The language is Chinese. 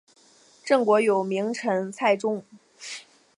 郑国有名臣祭仲。